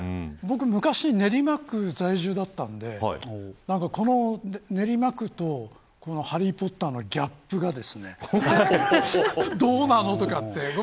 昔、練馬区在住だったのでこの練馬区とハリー・ポッターのギャップがどうなのと。